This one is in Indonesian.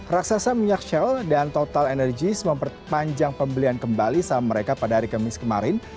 raksasa minyak shell dan total energy sempat panjang pembelian kembali saham mereka pada hari kamis kemarin